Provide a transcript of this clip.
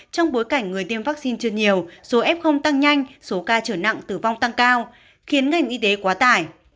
trong bối cảnh người tiêm vaccine chưa nhiều số f tăng nhanh số ca trở nặng tử vong tăng cao khiến ngành y tế quá tải